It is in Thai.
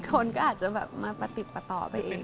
คนก็อาจจะแบบมาประติดประต่อไปเอง